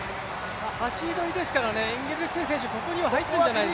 ８位取りですからね、インゲブリクセン選手、ここには入ってるんじゃないですかね。